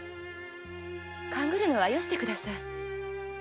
勘ぐるのはよして下さい。